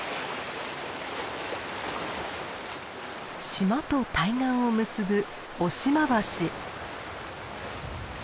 島と対岸を結ぶ雄島橋。